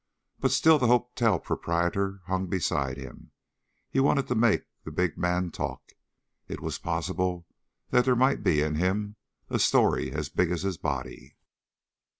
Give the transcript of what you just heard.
But still the hotel proprietor hung beside him. He wanted to make the big man talk. It was possible that there might be in him a story as big as his body.